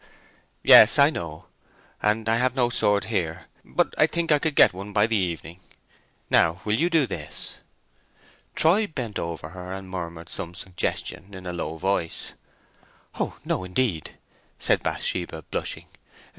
"Yes, I know; and I have no sword here; but I think I could get one by the evening. Now, will you do this?" Troy bent over her and murmured some suggestion in a low voice. "Oh no, indeed!" said Bathsheba, blushing.